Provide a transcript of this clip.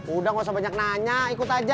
udah gak usah banyak nanya ikut aja